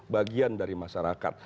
bagian dari masyarakat